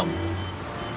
tidak ada kebahagiaan disini